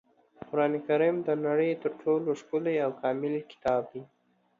قرانکریم د نړۍ تر ټولو ښکلی او کامل کتاب دی.